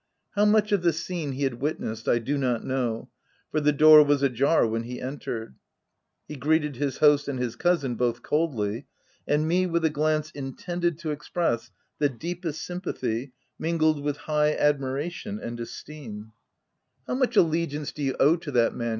How much of the scene he had witnessed I do not know, for the door was ajar when he entered. He greeted his host and his cousin both coldly, and me with a glance in tended to express the deepest sympathy mingled with high admiration and esteem. 320 THE TENANT " How much allegiance do you owe to that man